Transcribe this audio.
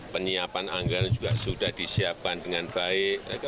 penyiapan anggaran juga sudah disiapkan dengan baik